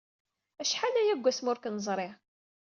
Acḥal aya seg wasmi ur k-neẓri.